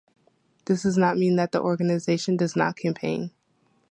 This does not mean that the organisation does not campaign.